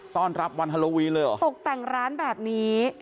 ต้อนรับวันฮาโลวีนเลยเหรอตกแต่งร้านแบบนี้